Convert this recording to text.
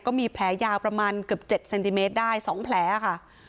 ก็มีแผลยาวประมาณเกือบ๗เซนติเมตรได้๒แผลค่ะ